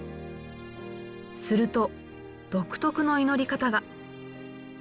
すると独特の祈り方が。